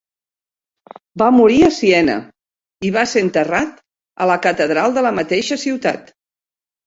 Va morir a Siena i va ser enterrat a la catedral de la mateixa ciutat.